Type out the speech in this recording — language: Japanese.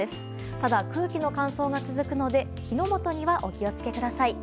ただ、空気の乾燥が続くので火の元にはお気を付けください。